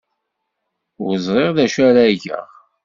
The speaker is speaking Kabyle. Ur ẓriɣ d acu ara geɣ.